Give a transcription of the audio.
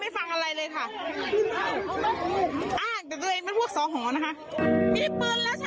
เราก็มาเที่ยวอย่างสนุกล่ะไม่คลุมเหตุจากกลุ่มใด